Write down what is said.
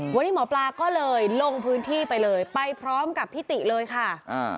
วันนี้หมอปลาก็เลยลงพื้นที่ไปเลยไปพร้อมกับพี่ติเลยค่ะอ่า